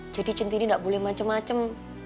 jadi cinti ini gak boleh macem macem